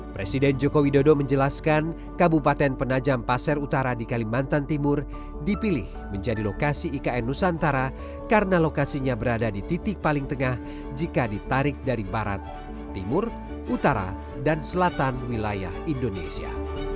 presiden joko widodo menjelaskan kabupaten penajam pasir utara di kalimantan timur dipilih menjadi lokasi ikn nusantara karena lokasinya berada di titik paling tengah jika ditarik dari barat timur utara dan selatan wilayah indonesia